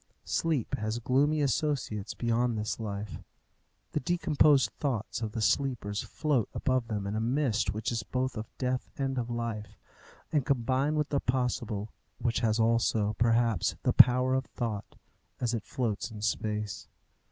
Sleep has gloomy associates beyond this life: the decomposed thoughts of the sleepers float above them in a mist which is both of death and of life, and combine with the possible, which has also, perhaps, the power of thought, as it floats in space.